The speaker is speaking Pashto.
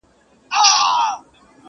چي پیر مو سو ملګری د شیطان څه به کوو؟!.